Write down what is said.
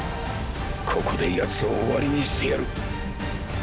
ここで奴を終わりにしてやる！！